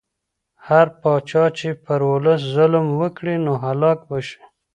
هر پاچا چې پر ولس ظلم وکړي نو هلاک به شي.